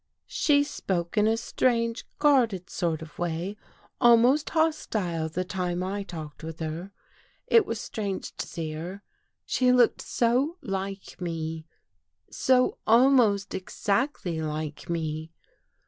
She spoke in a strange, guarded sort of way, almost hostile, the time I talked with her. It was strange to see her. She looked so like me — so almost exactly like me.